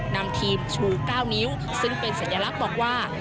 นำทีมชู๙นิ้วซึ่งเป็นสัญลักษณ์บอกว่า